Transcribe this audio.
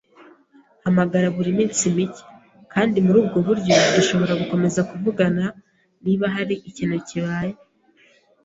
Hamagara buri minsi mike, kandi murubwo buryo dushobora gukomeza kuvugana niba hari ikintu kibaye.